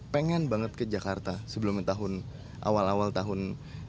pengen banget ke jakarta sebelum awal awal tahun